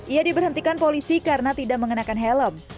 ia diberhentikan polisi karena tidak mengenakan helm